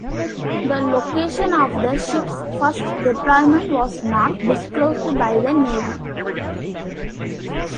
The location of the ship's first deployment was not disclosed by the Navy.